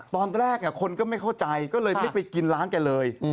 ตอนแรกคนก็ไม่เข้าใจก็เลยไม่ไปกินร้านแกเลย